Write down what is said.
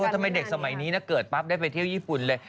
ทำไมเด็กสมัยนี้เกิดปั๊บได้ไปเที่ยวญี่ปุ่นเลย